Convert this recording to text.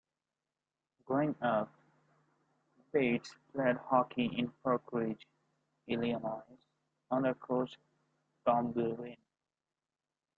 Growing up, Bates played hockey in Park Ridge, Illinois, under Coach Tom Godwin.